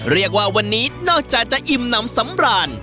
เรียกว่าวันนี้นอกจากจะอิ่มน้ำสำราญ